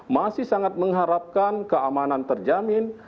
masih sangat mengharapkan keamanan terjamin